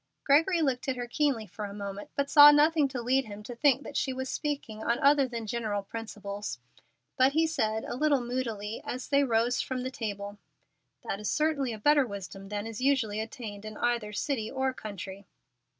Gregory looked at her keenly for a moment, but saw nothing to lead him to think that she was speaking on other than general principles; but he said, a little moodily, as they rose from the table, "That certainly is a better wisdom than is usually attained in either city or country."